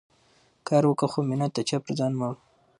کار وکه، خو مینت د چا پر ځان مه وړه.